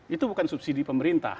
itu bukan subsidi pemerintah